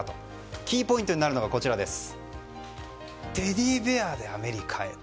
キーポイントになるのがテディベアでアメリカへと。